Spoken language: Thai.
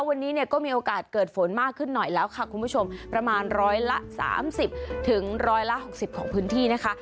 วันนี้เนี่ยก็มีโอกาสเกิดฝนมากขึ้นหน่อยแล้วค่ะคุณผู้ชมประมาณร้อยละ๓๐ถึง๑๖๐ของพื้นที่นะคะ